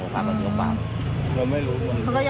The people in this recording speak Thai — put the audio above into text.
ก็ยังไม่รู้มันก็ยังไม่แน่ใจว่าเลี้ยวซอยไหนอะไรอย่างนี้